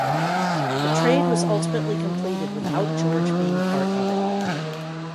The trade was ultimately completed without George being part of it.